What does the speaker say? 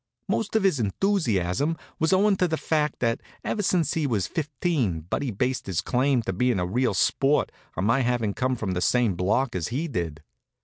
Most of his enthusiasm was owin' to the fact that ever since he was fifteen Buddy'd based his claim to bein' a real sport on my havin' come from the same block as he did.